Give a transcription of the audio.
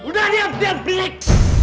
udah diam diam bilik